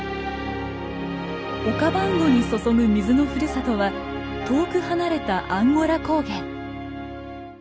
オカバンゴに注ぐ水のふるさとは遠く離れたアンゴラ高原。